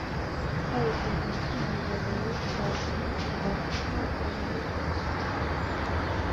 თავის გეგმაში მავზოლეუმებს გააჩნიათ რვაკუთხა ფორმები.